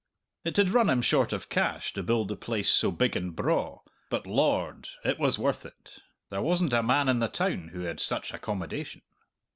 It had run him short of cash to build the place so big and braw, but, Lord! it was worth it. There wasn't a man in the town who had such accommodation!